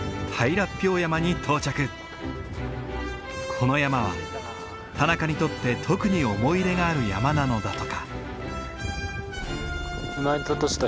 この山は田中にとって特に思い入れがある山なのだとか。